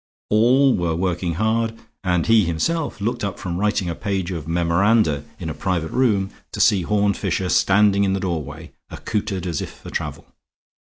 All were working hard; and he himself looked up from writing a page of memoranda in a private room to see Horne Fisher standing in the doorway, accoutered as if for travel.